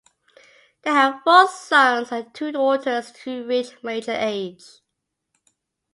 They had four sons and two daughters who reached mature age.